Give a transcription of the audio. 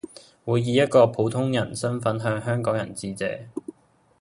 會以一個普通人身份向香港人致謝